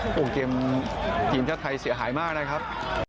โอ้โหเกมทีนท่าทัยเสียหายมากนะครับ